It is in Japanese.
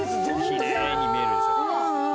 きれいに見えるでしょ。